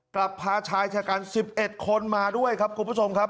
กลับพาชายเฉียกรรมสิบเอ็ดคนมาด้วยครับคุณผู้ชมครับ